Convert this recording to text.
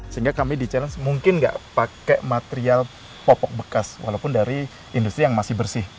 sehingga kami di challenge mungkin nggak pakai material popok bekas walaupun dari industri yang masih bersih